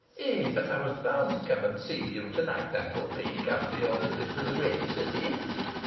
"Eh, but I was bound to come and see you to night, Uncle Peake, after your visit to the great city.